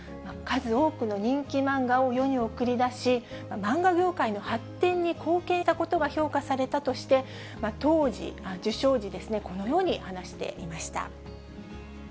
数多くの人気漫画を世に送り出し、漫画業界の発展に貢献したことが評価されたとして、当時、受章時ですね、このように話していました。